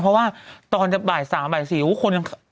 เพราะว่าตอนจะบ่าย๓บ่าย๔